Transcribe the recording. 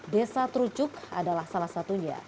desa terucuk adalah salah satunya